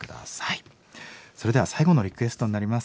それでは最後のリクエストになります。